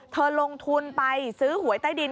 เธอลงทุนไปซื้อหวยใต้ดิน